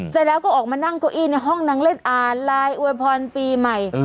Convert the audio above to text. เสร็จแล้วก็ออกมานั่งเก้าอี้ในห้องนางเล่นอ่านไลน์อวยพรปีใหม่